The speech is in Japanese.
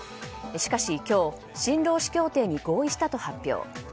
しかし、今日新労使協定に合意したと発表。